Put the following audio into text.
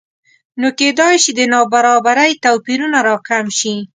نو کېدای شي د نابرابرۍ توپیرونه راکم شي